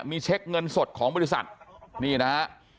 มีเช็คเงินสดของบริษัทนี่นะฮะ